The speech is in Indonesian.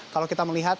kalau kita melihat